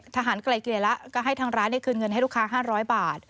ทหารไกลเกลียดแล้วก็ให้ทางร้านเนี้ยคืนเงินให้ลูกค้าห้านร้อยบาท